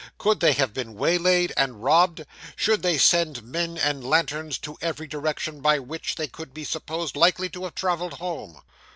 Could they have been waylaid and robbed? Should they send men and lanterns in every direction by which they could be supposed likely to have travelled home?